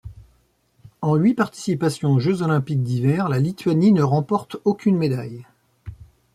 En huit participations aux Jeux olympiques d'hiver, la Lituanie ne remporte aucune médaille.